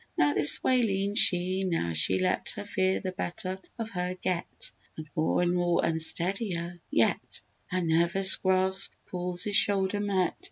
Now this way leaned she, now she let Her fear the better of her get, And more and more unsteadier yet, Her nervous grasp Paul's shoulder met!